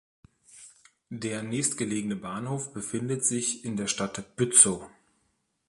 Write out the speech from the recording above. Der nächstgelegene Bahnhof befindet sich in der Stadt Bützow.